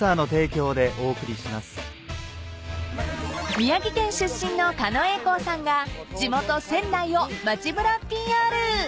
［宮城県出身の狩野英孝さんが地元仙台を街ぶらＰＲ］